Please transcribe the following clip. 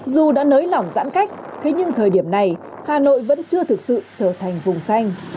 dù đã nới lỏng giãn cách thế nhưng thời điểm này hà nội vẫn chưa thực sự trở thành vùng xanh